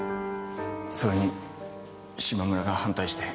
それに嶋村が反対して。